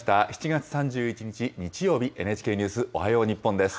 ７月３１日日曜日、ＮＨＫニュースおはよう日本です。